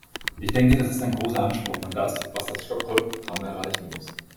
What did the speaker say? Ich denke, dass ist ein großer Anspruch und das, was das Stockholm-Programm erreichen muss.